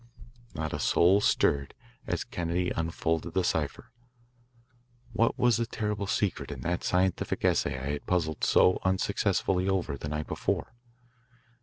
'" Not a soul stirred as Kennedy unfolded the cipher. What was the terrible secret in that scientific essay I had puzzled so unsuccessfully over, the night before?